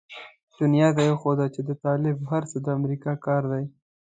دنيا ته يې وښوده چې د طالب هر څه د امريکا کار دی.